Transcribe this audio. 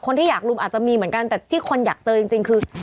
ที่อยากลุมอาจจะมีเหมือนกันแต่ที่คนอยากเจอจริงคือ